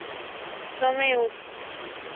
Tome Ud.